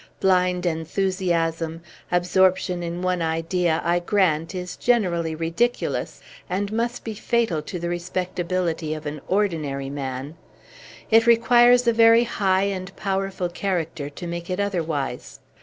Blind enthusiasm, absorption in one idea, I grant, is generally ridiculous, and must be fatal to the respectability of an ordinary man; it requires a very high and powerful character to make it otherwise.